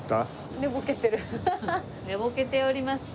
寝ぼけております。